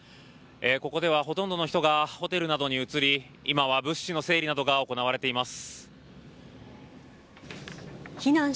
ここではほとんどの人がホテルなどに移り今は、物資の整理などが行われています。